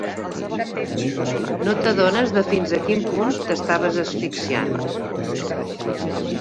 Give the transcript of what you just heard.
No t'adones de fins a quin punt t'estaves asfixiant.